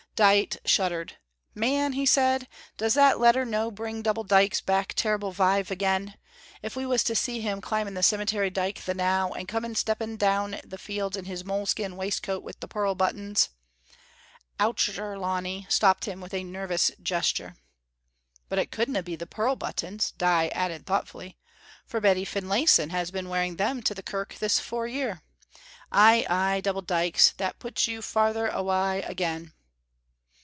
Dite shuddered. "Man," he said, "does that letter no bring Double Dykes back terrible vive again! If we was to see him climbing the cemetery dyke the now, and coming stepping down the fields in his moleskin waistcoat wi' the pearl buttons " Auchterlonie stopped him with a nervous gesture. "But it couldna be the pearl buttons," Dite added thoughtfully, "for Betty Finlayson has been wearing them to the kirk this four year. Ay, ay, Double Dykes, that puts you farther awa' again."